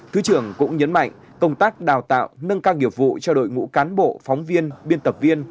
thứ trưởng cũng nhấn mạnh công tác đào tạo nâng cao nghiệp vụ cho đội ngũ cán bộ phóng viên biên tập viên